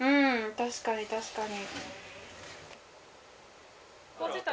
確かに確かに。